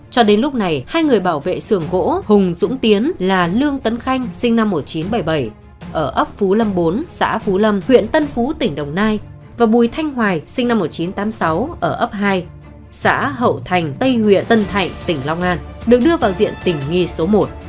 cho đến lúc này hai người bảo vệ xưởng gỗ hùng dũng tiến là lương tấn khanh sinh năm một nghìn chín trăm bảy mươi bảy ở ấp phú lâm bốn xã phú lâm huyện tân phú tỉnh đồng nai và bùi thanh hoài sinh năm một nghìn chín trăm tám mươi sáu ở ấp hai xã hậu thành tây huyện tân thạnh tỉnh long an được đưa vào diện tỉnh nghi số một